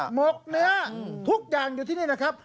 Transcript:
หมกเนื้อทุกอย่างอยู่ที่นี่นะครับ